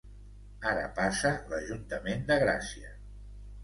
Ara passa l'Ajuntament de Gràcia.